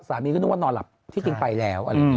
สามีก็นึกว่านอนหลับที่ทิ้งไปแล้ว